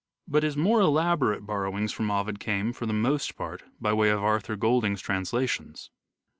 But his more elaborate borrowings from Ovid came, for the most part, by way of Arthur Golding's translations."